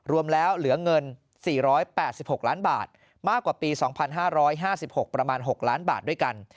รวมแล้วเหลือเงิน๔๘๖ล้านบาทมากกว่าปี๒๕๕๖ประมาณ๖ล้านบาทด้วยกัน